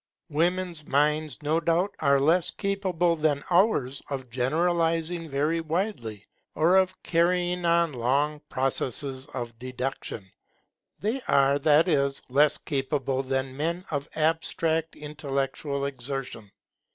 Women's minds no doubt are less capable than ours of generalizing very widely, or of carrying on long processes of deduction. They are, that is, less capable than men of abstract intellectual exertion.